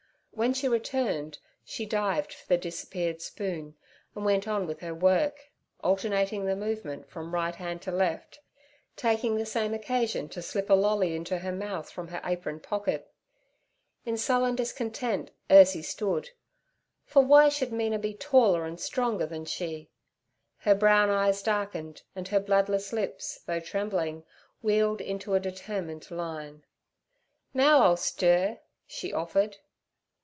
When she returned she dived for the disappeared spoon, and went on with her work, alternating the movement from right hand to left, taking the same occasion to slip a lolly into her mouth from her apron pocket. In sullen discontent Ursie stood, for why should Mina be taller and stronger than she? Her brown eyes darkened and her bloodless lips, though trembling, wealed into a determined line. 'Now I'll stir' she offered.